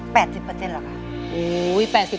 ๘๐เปอร์เซ็นต์เหรอครับ